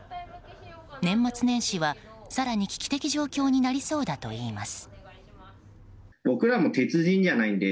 年末年始は、更に危機的状況になりそうだといいます。